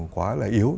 quá là yếu